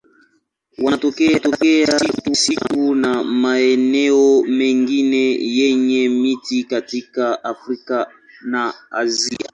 Wanatokea misitu na maeneo mengine yenye miti katika Afrika na Asia.